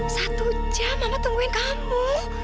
satu jam mama tungguin kamu